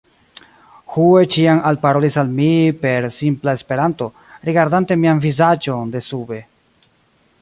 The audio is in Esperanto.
Hue ĉiam alparolis al mi per simpla Esperanto, rigardante mian vizaĝon desube.